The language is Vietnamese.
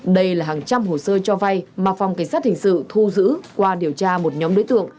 đây là hàng trăm hồ sơ cho vay mà phòng cảnh sát hình sự thu giữ qua điều tra một nhóm đối tượng